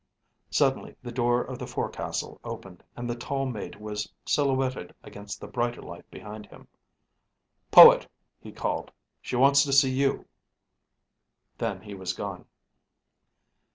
Suddenly the door of the forecastle opened, and the tall mate was silhouetted against the brighter light behind him. "Poet," he called. "She wants to see you." Then he was gone.